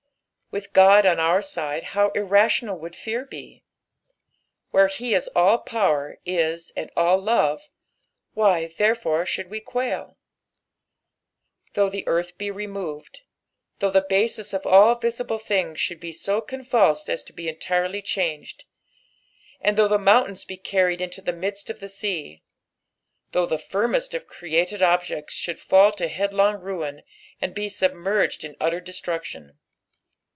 '" With Ood on our aide, how imtional would fear be ! Where he is sll power is, and all love, why therefore should we quail t " Thotmk the earth be remormd." though the basia of all viaible things should be ao convvlsed as to he entirely changed. "Aad though th^ mountairu be earried into the midet qf the ma;'' though the firmeat of oreatcd objeclB should fall to headlong ruin, and be sub merged in utter destruction.